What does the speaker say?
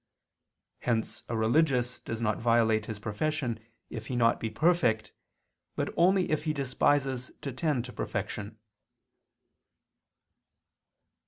Hence a religious does not violate his profession if he be not perfect, but only if he despises to tend to perfection.